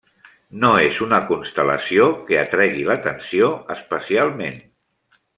No és una constel·lació que atregui l'atenció especialment.